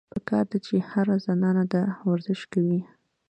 پکار ده چې هره زنانه دا ورزش کوي -